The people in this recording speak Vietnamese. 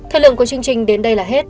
thời lượng của chương trình đến đây là hết